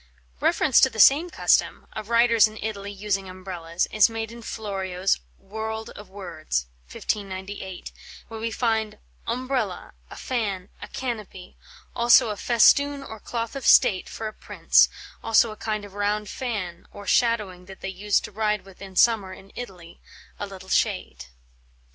Reference to the same custom, of riders in Italy using umbrellas, is made in Florio's "Worlde of Wordes" (1598), where we find "Ombrella, a fan, a canopie, also a festoon or cloth of State for a prince, also a kind of round fan or shadowing that they use to ride with in sommer in Italy, a little shade."